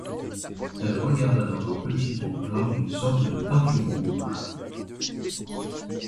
Elle regarda dans un petit pot plein d’une sorte de teinture rouge.